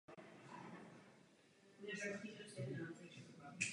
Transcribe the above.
Tato oblast bývá přirovnávána k pověstnému kanárkovi v uhelném dole.